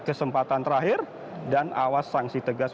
kesempatan terakhir dan awas sanksi tegas